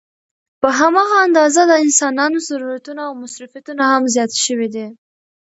په هماغه اندازه د انسانانو ضرورتونه او مصروفيتونه هم زيات شوي دي